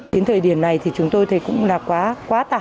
đến thời điểm này thì chúng tôi thấy cũng là quá quá tải